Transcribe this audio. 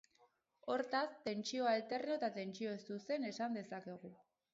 Hortaz, tentsio alterno eta tentsio zuzen esan dezakegu.